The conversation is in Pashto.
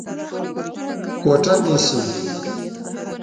کوټه نيسې؟